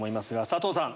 佐藤さん